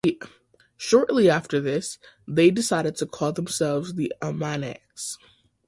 Shortly after this, they decided to call themselves the Almanacs.